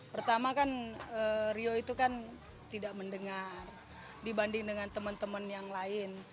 pertama kan rio itu kan tidak mendengar dibanding dengan teman teman yang lain